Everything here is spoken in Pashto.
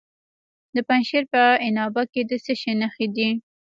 د پنجشیر په عنابه کې د څه شي نښې دي؟